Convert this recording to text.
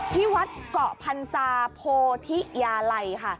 ที่วัดเกาะพันศาโพธิยาลัยค่ะ